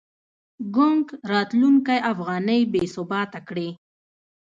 ګونګ راتلونکی افغانۍ بې ثباته کړې.